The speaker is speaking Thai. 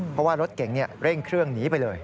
เพราะว่ารถเก่งเร่งเครื่องหนีไปเลย